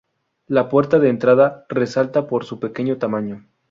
La puerta de entrada resalta por su pequeño tamaño.